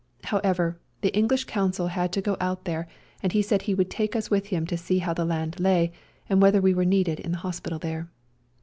How ever, the English Consul had to go out there, and he said he would take us with him to see how the land lay, and whether we were needed in the hospital there.